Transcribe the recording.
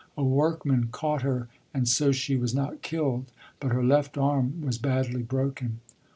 A workman caught her and so she was not killed, but her left arm was badly broken.